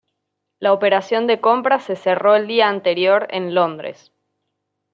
La operación de compra se cerró el día anterior en Londres.